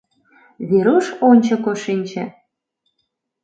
Веруш ончыко шинче.